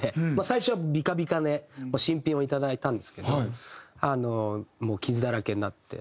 最初はビカビカで新品をいただいたんですけどもう傷だらけになって。